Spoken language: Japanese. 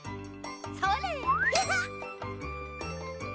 それ。